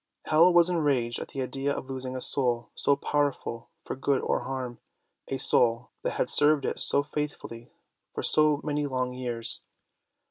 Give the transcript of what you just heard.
Hell was enraged at the idea of losing a soul so powerful for good or harm, a soul that had served it so faithfully for so many long years.